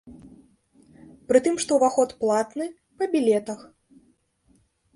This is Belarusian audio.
Прытым што ўваход платны, па білетах!